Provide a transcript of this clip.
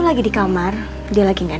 bisa menikah lobul ini orang enam tahun